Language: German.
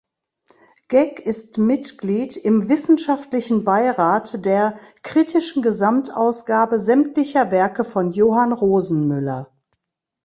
Geck ist Mitglied im Wissenschaftlichen Beirat der "Kritischen Gesamtausgabe sämtlicher Werke von Johann Rosenmüller".